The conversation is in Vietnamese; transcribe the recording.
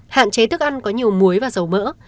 hạn chế thức ăn có nhiều muối và dầu mỡ